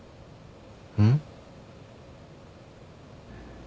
うん？